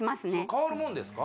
変わるもんですか？